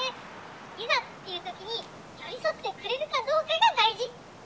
いざっていう時に寄り添ってくれるかどうかが大事！